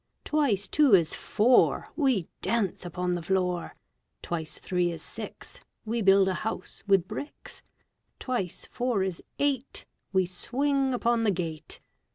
Twice two is four, We dance upon the floor. Twice three is six, We build a house with bricks. Twice four is eight, We swing upon the gate.